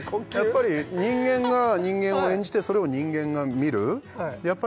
やっぱり人間が人間を演じてそれを人間が見るはい